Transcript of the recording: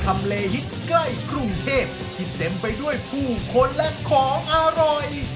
ทำเลฮิตใกล้กรุงเทพที่เต็มไปด้วยผู้คนและของอร่อย